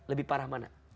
lebih parah mana